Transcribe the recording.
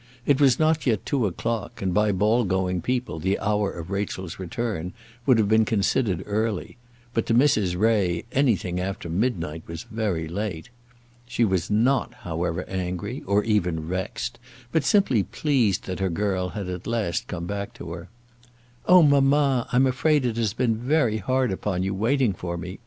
It was not yet two o'clock, and by ball going people the hour of Rachel's return would have been considered early; but to Mrs. Ray anything after midnight was very late. She was not, however, angry, or even vexed, but simply pleased that her girl had at last come back to her. "Oh, mamma, I'm afraid it has been very hard upon you, waiting for me!"